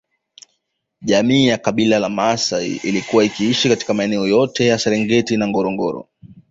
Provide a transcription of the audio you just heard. Jamii ya Kabila la Maasai ilikuwa ikiishi katika maeneo yote ya Serengeti na Ngorongoro